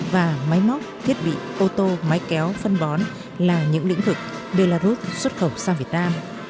và máy móc thiết bị ô tô máy kéo phân bón là những lĩnh vực belarus xuất khẩu sang việt nam